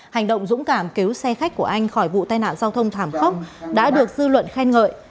hành động dũng cảm cứu xe khách của anh khỏi vụ tai nạn giao thông thảm khốc đã được dư luận khen ngợi